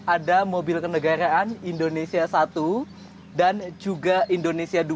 ada mobil kenegaraan indonesia satu dan juga indonesia dua